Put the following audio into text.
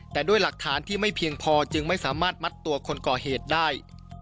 แต่ด้วยหลักฐานที่ไม่เพียงพอจึงไม่สามารถมัดตัวคนก่อเหตุได้